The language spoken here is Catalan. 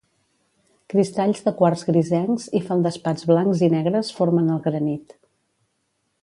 Cristalls de quars grisencs i feldespats blancs i negres formen el granit.